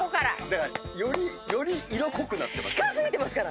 だからより色濃くなってますね。